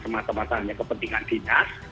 semasa masanya kepentingan dinas